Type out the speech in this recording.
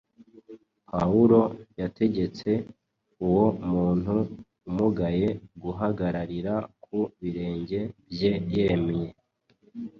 Pawulo yategetse uwo muntu umugaye guhagararira ku birenge bye yemye.